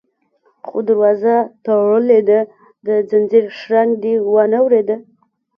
_خو دروازه تړلې ده، د ځنځير شرنګ دې وانه ورېد؟